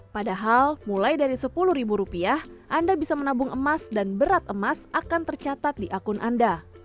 padahal mulai dari sepuluh ribu rupiah anda bisa menabung emas dan berat emas akan tercatat di akun anda